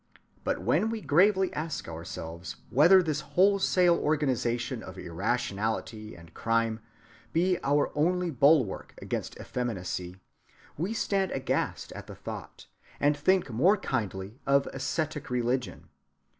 But when we gravely ask ourselves whether this wholesale organization of irrationality and crime be our only bulwark against effeminacy, we stand aghast at the thought, and think more kindly of ascetic religion.